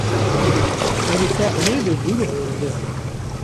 Elle est ornée de boules rondes.